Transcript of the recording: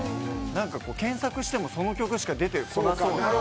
検索してもその曲しか出てこなそうな。